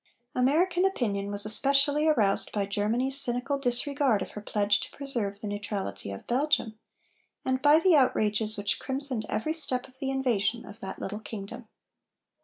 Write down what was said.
American opinion was especially aroused by Germany's cynical disregard of her pledge to preserve the neutrality of Belgium, and by the outrages which crimsoned every step of the invasion of that little kingdom.